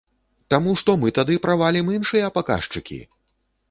Таму што мы тады правалім іншыя паказчыкі!!!